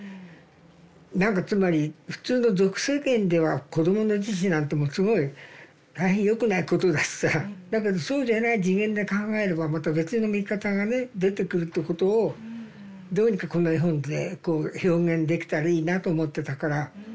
何かつまり普通の俗世間では子供の自死なんてもうすごい大変よくないことだしさだけどそうじゃない次元で考えればまた別の見方がね出てくるってことをどうにかこの絵本でこう表現できたらいいなと思ってたから。